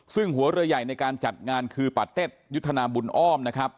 ซึ่งหัวเรือใหญ่ในการจัดงานคือปาเต็ดยุทธนาบุญอ้อมนะครับ